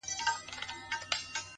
• یو خوا ډانګ دی لخوا پړانګ دی ,